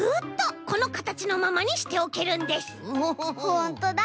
ほんとだ！